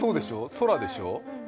空でしょ？